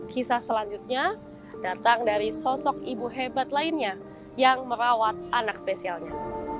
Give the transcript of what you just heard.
kisah selanjutnya datang dari sosok ibu hebat lainnya yang merawat anak spesialnya